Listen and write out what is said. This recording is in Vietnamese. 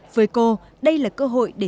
với cô đây là cơ hội để thể hiện năng lực